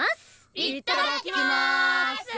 いただきまーす！